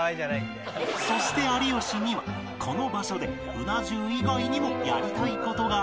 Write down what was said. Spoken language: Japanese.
そして有吉にはこの場所でうな重以外にもやりたい事があるそうで